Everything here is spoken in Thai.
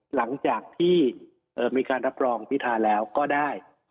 หลังจากที่มีการรับรองพิธาแล้วก็ได้